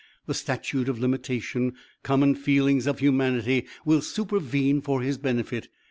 The statute of limitation, common feelings of humanity, will supervene for his benefit.